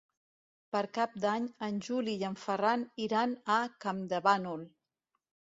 Per Cap d'Any en Juli i en Ferran iran a Campdevànol.